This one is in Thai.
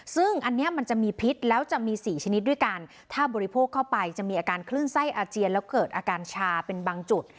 ซึ่งอันนี้มันจะมีพิษแล้วจะมี๔ชนิดด้วยกันถ้าบริโภคเข้าไปจะมีอาการคลื่นไส้อาเจียนแล้วเกิดอาการชาเป็นบางจุด